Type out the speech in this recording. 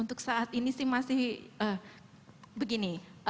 untuk saat ini sih masih begini